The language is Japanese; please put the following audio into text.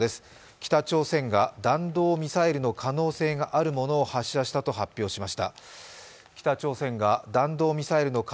北朝鮮が弾道ミサイルの可能性があるものを発射したと発表しました。